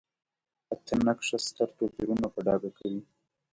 اته نقشه ستر توپیرونه په ډاګه کوي.